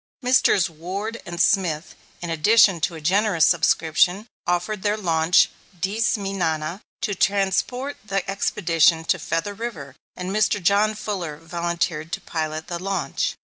Messrs. Ward and Smith, in addition to a generous subscription, offered their launch Dice mi Nana, to transport the expedition to Feather River, and Mr. John Fuller volunteered to pilot the launch.